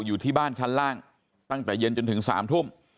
อยู่ที่บ้านชั้นล่างตั้งแต่เย็นจนถึง๓ทุ่ม